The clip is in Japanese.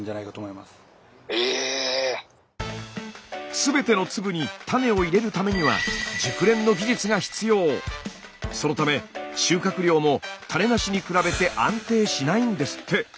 全ての粒に種を入れるためにはそのため収穫量も種なしに比べて安定しないんですって。